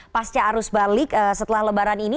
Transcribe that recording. pasca arus balik setelah lebaran ini